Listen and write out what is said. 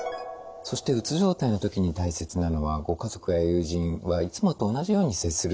そしてうつ状態の時に大切なのはご家族や友人はいつもと同じように接するということですね。